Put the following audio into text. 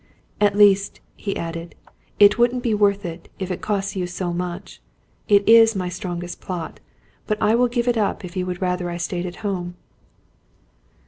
"At least," he added, "it wouldn't be worth it, if it costs you so much. It is my strongest plot, but I will give it up if you would rather I stayed at home."